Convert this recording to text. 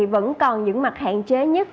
vẫn còn những mặt hạn chế nhất